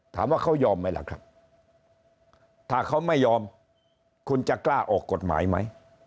ถามว่าเขายอมไหมล่ะครับถ้าเขาไม่ยอมคุณจะกล้าออกกฎหมายไหม